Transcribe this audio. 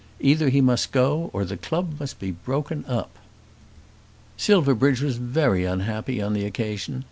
"Either he must go or the club must be broken up." Silverbridge was very unhappy on the occasion.